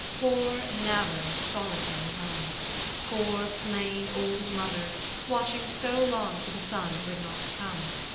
Poor, narrow, solitary home ! Poor, plain, old mother, watching so long for the son who had not come.